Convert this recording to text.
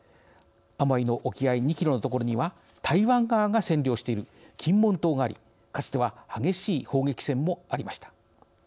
アモイの沖合２キロの所には台湾側が占領している金門島がありかつては激しい砲撃戦もありました。